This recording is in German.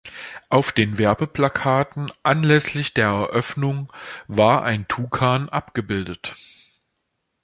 Auf den Werbeplakaten anlässlich der Eröffnung war ein Tukan abgebildet.